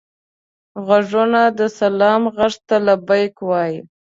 غوږونه د سلام غږ ته لبیک وايي